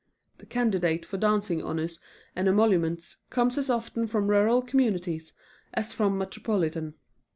The candidate for dancing honors and emoluments comes as often from rural communities as from metropolitan.